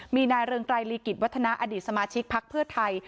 มีนายเริงกลายลีกศิษย์วัฒนาอดีตสมาชิกภาคเพื่อไทย